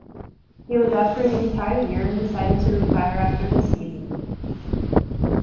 He was out for the entire year and decided to retire after the season.